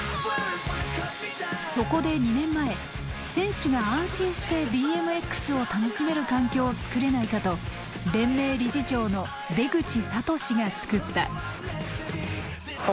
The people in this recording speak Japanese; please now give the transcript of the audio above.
そこで２年前選手が安心してＢＭＸを楽しめる環境を作れないかと連盟理事長の出口智嗣が作った。